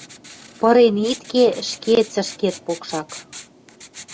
Пырен ит ке ӹшке цӹшкер покшак...»